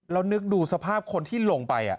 เรานึกดูสภาพคนที่ลงไปอ่ะ